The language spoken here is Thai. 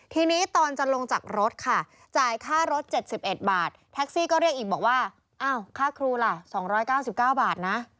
ทีนี้ตอนจะลงจากรถค่ะจ่ายค่ารถ๗๑บาทแท็กซี่ก็เรียกอีกบอกว่าอ้าวค่าครูล่ะ๒๙๙บาทนะ